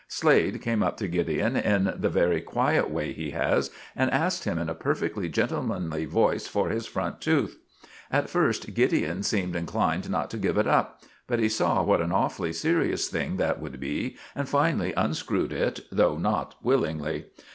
Slade came up to Gideon in the very quiet way he has, and asked him in a perfectly gentlemanly voice for his front tooth. At first Gideon seemed inclined not to give it up, but he saw what an awfully serious thing that would be, and finally unscrewed it, though not willingly.